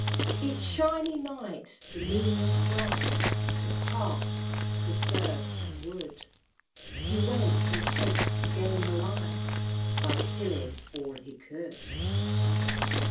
Each "shiny night" the moon was bright, To park, preserve, and wood He went, and kept the game alive, By killing all he could.